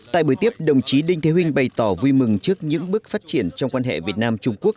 tại buổi tiếp đồng chí đinh thế huynh bày tỏ vui mừng trước những bước phát triển trong quan hệ việt nam trung quốc